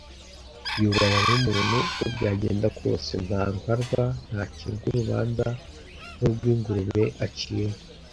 yubahwa nk'umuntu uko byagenda kose ; na ruharwa ntacirwa urubanza nk'urw'ingurube, acirwa